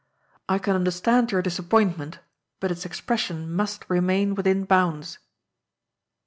I can understand your disappointment, but its expression must remain within bounds."